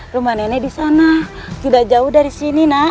rumah nenek disana sudah jauh dari sini nek